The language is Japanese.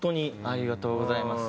ありがとうございます。